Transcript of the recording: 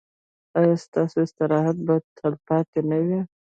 ایا ستاسو استراحت به تلپاتې نه وي؟